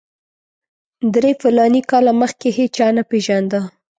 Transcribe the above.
درې فلاني کاله مخکې هېچا نه پېژاند.